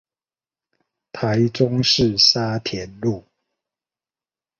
台中市沙田路